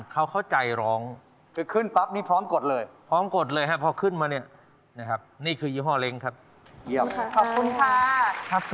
เป็นโรคซึ้งเหล่า